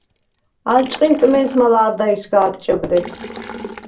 ალ ჭყინტ მეს̄მა ლარდაისგა ადჭებდე.